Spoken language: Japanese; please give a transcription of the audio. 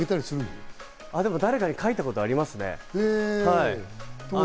でも誰かにあげたことありますね。